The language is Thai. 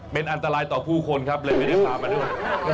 เป็นอันตรายต่อผู้คนครับเลยไม่ได้พามาด้วย